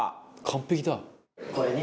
完璧だ。